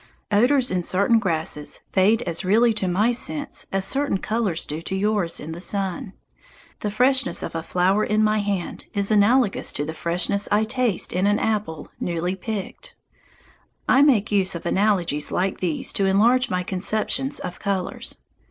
Odours in certain grasses fade as really to my sense as certain colours do to yours in the sun. The freshness of a flower in my hand is analogous to the freshness I taste in an apple newly picked. I make use of analogies like these to enlarge my conceptions of colours.